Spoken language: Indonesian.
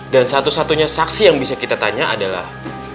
dan satu satunya saksi yang bisa kita tanya adalah